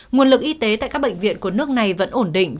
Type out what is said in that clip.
nguồn lực y tế tại các bệnh viện của nước này vẫn ổn định